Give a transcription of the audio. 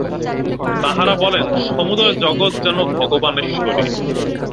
তাঁহারা বলেন সমুদয় জগৎ যেন ভগবানের শরীর।